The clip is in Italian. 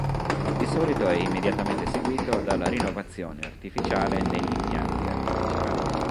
Di solito è immediatamente seguito dalla rinnovazione artificiale negli impianti artificiali.